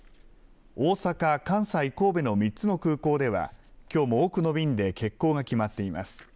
大阪、関西、神戸の３つの空港では、きょうも多くの便で欠航が決まっています。